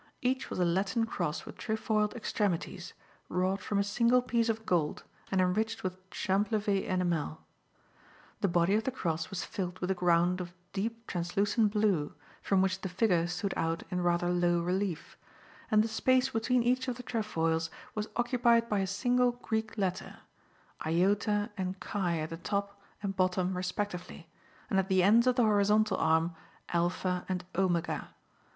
Each was a Latin cross with trefoiled extremities, wrought from a single piece of gold and enriched with champlevé enamel. The body of the cross was filled with a ground of deep, translucent blue, from which the figure stood out in rather low relief, and the space between each of the trefoils was occupied by a single Greek letter Iota and Chi at the top and bottom respectively, and at the ends of the horizontal arm Alpha and Omega.